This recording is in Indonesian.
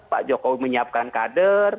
pak jokowi menyiapkan kader